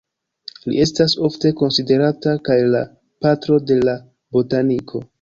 Li estas ofte konsiderata kaj la "patro de la botaniko".